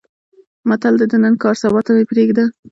متل دی: د نن کار سبا ته مې پرېږده.